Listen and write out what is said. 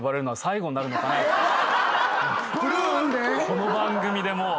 この番組でもう。